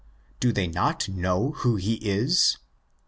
17) ὃ Do they not know who he is